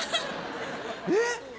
えっ？